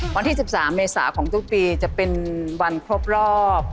วันที่๑๓เมษาของทุกปีจะเป็นวันครบรอบ